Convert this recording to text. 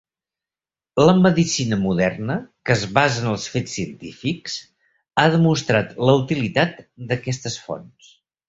La medicina moderna que es basa en els fets científics ha demostrat la utilitat d'aquestes fonts.